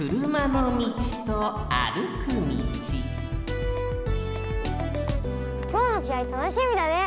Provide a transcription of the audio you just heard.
たとえばきょうのしあいたのしみだね！